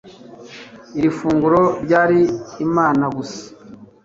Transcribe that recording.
iri funguro ryari imana gusa